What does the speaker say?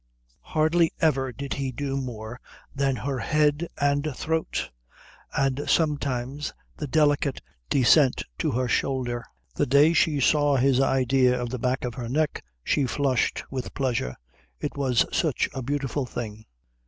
Hardly ever did he do more than her head and throat, and sometimes the delicate descent to her shoulder. The day she saw his idea of the back of her neck she flushed with pleasure, it was such a beautiful thing.